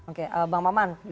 oke bang maman